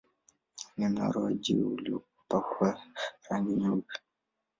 Ni mnara wa jiwe uliopakwa rangi nyeupe.